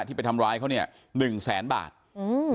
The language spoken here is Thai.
ที่ไปทำร้ายเขาเนี่ยหนึ่งแสนบาทอืม